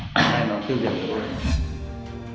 cái này nó tiêu diệt được rồi